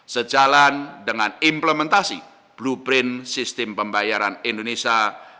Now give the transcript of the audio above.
sejalan dengan implementasi blueprint sistem pembayaran indonesia dua ribu dua puluh lima